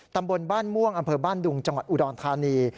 ตำบลบ้านม่วงอำเภอบ้านดุงจังหวัดอุดรธานี